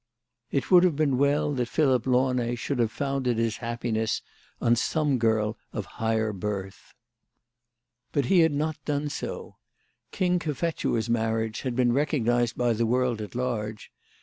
It would have been well that Philip Launay should have founded his hap 166 THE LADY OF LATJJSTAY. piness on some girl of higher birth. But he had not done so. King Cophetua's marriage had been recog nised by the world at large.